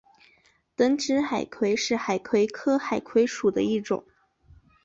等指海葵是海葵科海葵属的一种。